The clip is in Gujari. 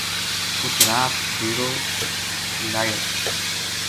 اُت رات ڈیرو لویو